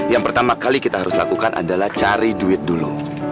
yang pertama kali kita harus lakukan adalah cari duit dulu